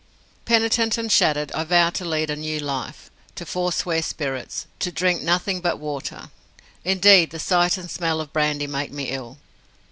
Penitent and shattered, I vow to lead a new life; to forswear spirits, to drink nothing but water. Indeed, the sight and smell of brandy make me ill.